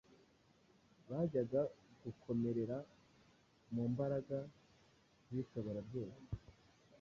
bajyaga gukomerera mu mbaraga y’Ishoborabyose.